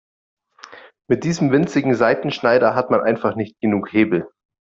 Mit diesem winzigen Seitenschneider hat man einfach nicht genug Hebel.